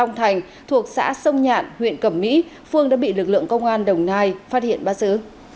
đồng nai huyện cẩm mỹ thuộc xã sông nhạn huyện cẩm mỹ thuộc xã sông nhạn huyện cẩm mỹ phát hiện bắt giữ